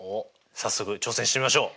早速挑戦してみましょう。